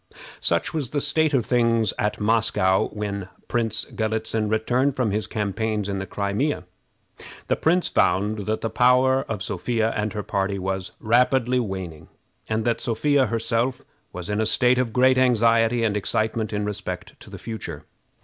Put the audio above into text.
Such was the state of things at Moscow when Prince Galitzin returned from his campaigns in the Crimea. The prince found that the power of Sophia and her party was rapidly waning, and that Sophia herself was in a state of great anxiety and excitement in respect to the future.